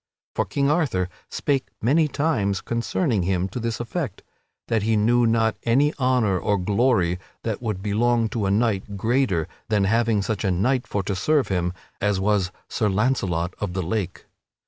For King Arthur spake many times concerning him to this effect: that he knew not any honor or glory that could belong to a king greater than having such a knight for to serve him as was Sir Launcelot of the Lake.